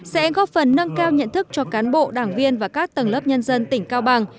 sẽ góp phần nâng cao nhận thức cho cán bộ đảng viên và các tầng lớp nhân dân tỉnh cao bằng